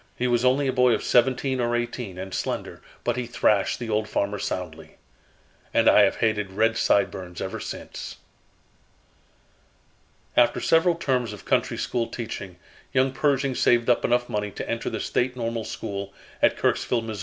He was only a boy of seventeen or eighteen and slender, but he thrashed the old farmer soundly. And I have hated red sideburns ever since." After several terms of country school teaching, young Pershing saved up enough money to enter the State Normal School, at Kirksville, Mo.